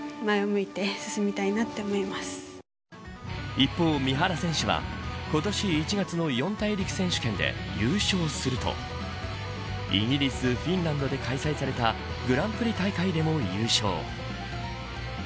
一方、三原選手は今年１月の四大陸選手権で優勝するとイギリスフィンランドで開催されたグランプリ大会でも優勝。